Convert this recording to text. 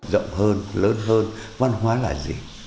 rộng hơn lớn hơn văn hóa là gì